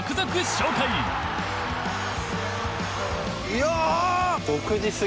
いや！